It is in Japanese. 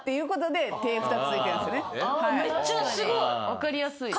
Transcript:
分かりやすい。